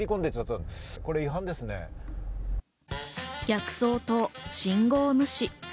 逆走と信号無視。